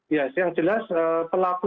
ya yang jelas